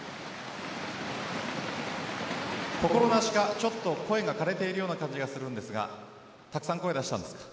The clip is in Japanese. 心なしかちょっと声が枯れているような感じがするんですがたくさん声を出したんですか？